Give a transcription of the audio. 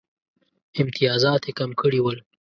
امتیازات یې کم کړي ول.